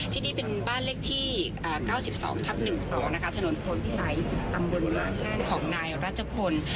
ที่นี่เป็นบ้านเลขที่๙๒ทัพ๑๒ถนนพลพี่ไซส์ตำรวจปรามยาเสกติดของนายรัชพนธ์